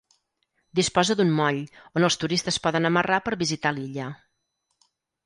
Disposa d'un moll, on els turistes poden amarrar per visitar l'illa.